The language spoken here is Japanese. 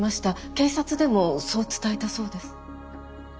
警察でもそう伝えたそうです。